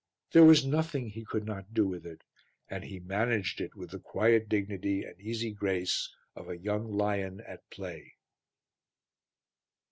There was nothing he could not do with it, and he managed it with the quiet dignity and easy grace of a young lion at play.